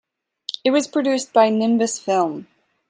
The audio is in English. It was produced by Nimbus Film.